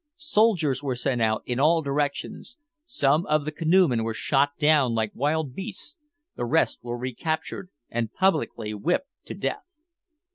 Soldiers were sent out in all directions; some of the canoe men were shot down like wild beasts, the rest were recaptured and publicly whipped to death!